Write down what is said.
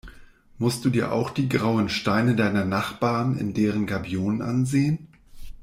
Musst du dir auch die grauen Steine deiner Nachbarn in deren Gabionen ansehen?